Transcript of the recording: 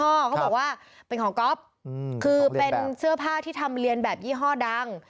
เขาบอกว่าเป็นของก๊อฟคือเป็นเสื้อผ้าที่ทำเรียนแบบยี่ห้อดัง